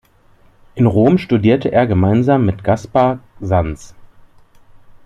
In Rom studierte er gemeinsam mit Gaspar Sanz.